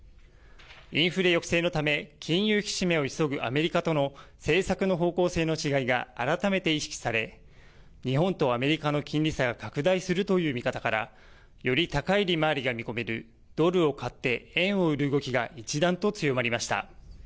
インフレ抑制のため金融引き締めを急ぐアメリカとの政策の方向性の違いが改めて意識され日本とアメリカの金利差が拡大するという見方からより高い利回りが見込めるドルを買って円を売る動きが一段と強まりました。